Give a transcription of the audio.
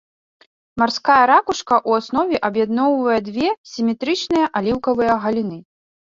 Марская ракушка ў аснове аб'ядноўвае дзве сіметрычных аліўкавыя галіны.